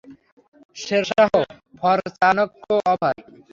Sher Shah for Chanakya, over.